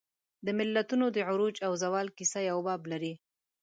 د ملتونو د عروج او زوال کیسه یو باب لري.